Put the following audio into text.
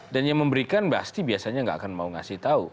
dan yang memberikan pasti biasanya gak akan mau ngasih tau